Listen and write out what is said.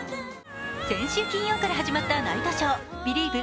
先週金曜から始まったナイトショー「ビリーヴ！